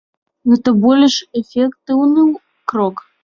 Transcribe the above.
Гэта больш эфектыўны крок?